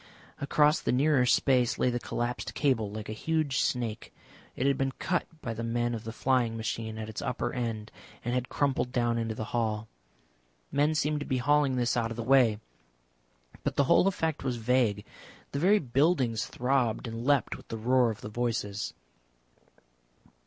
Across the nearer space lay the collapsed cable like a huge snake. It had been cut by the men of the flying machine at its upper end, and had crumpled down into the hall. Men seemed to be hauling this out of the way. But the whole effect was vague, the very buildings throbbed and leapt with the roar of the voices.